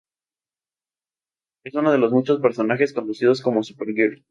Fue uno de los muchos personajes conocidos como Supergirl.